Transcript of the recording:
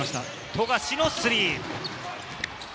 富樫のスリー。